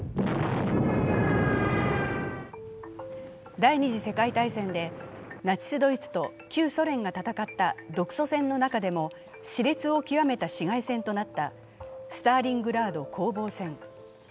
第二次世界大戦でナチス・ドイツと旧ソ連が戦った独ソ戦の中でもしれつを極めた市街戦となったスターリングラード攻防戦。